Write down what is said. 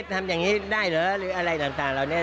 ทำอย่างนี้ได้เหรอหรืออะไรต่างเหล่านี้